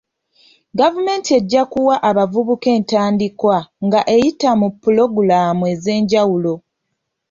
Gavumenti ejja kuwa abavubuka entandikwa nga eyita mu pulogulaamu ez'enjawulo.